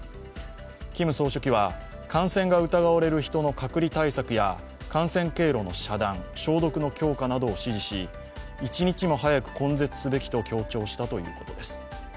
キム総書記は、感染が疑われる人の隔離対策や感染経路の遮断、消毒の強化などを指示し一日も早く根絶すべきと強調したということです。